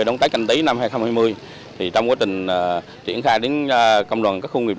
về đón tết canh tí năm hai nghìn hai mươi trong quá trình triển khai đến công đoàn các khu công nghiệp